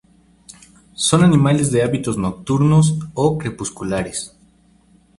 Son animales de hábitos nocturnos o crepusculares.